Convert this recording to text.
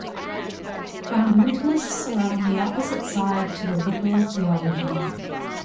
Fundamentalists are on the opposite side to the liberal theology.